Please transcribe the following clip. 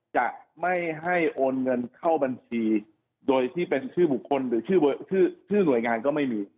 จะไม่ให้โอนเงินเข้าบัญชีโดยที่เป็นชื่อบุคคลหรือชื่อหน่วยงานก็ไม่มี